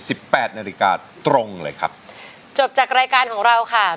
แปดนาฬิกาตรงเลยครับจบจากรายการของเราค่ะ